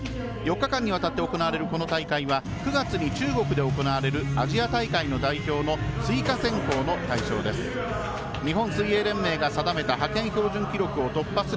４日間にわたって行われるこの大会は９月に中国で行われるアジア大会の代表の追加選考の対象です。